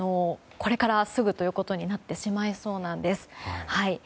これからすぐということになってしまいそうなんです。